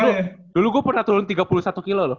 aduh dulu gue pernah turun tiga puluh satu kilo loh